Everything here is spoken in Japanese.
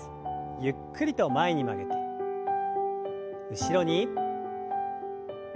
ゆっくりと前に曲げて後ろに。